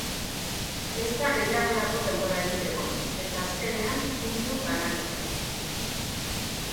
Ez da gehiagorako denborarik egon, eta azkenean, puntu banaketa.